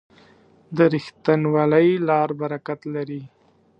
د رښتینولۍ لار برکت لري.